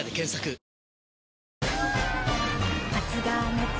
おぉ。